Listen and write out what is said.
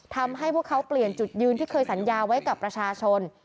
ทำให้พวกเขาเปลี่ยนจุดยืนที่เคยสัญญาไว้กับประชาชน